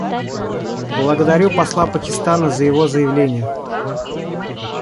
Благодарю посла Пакистана за его заявление.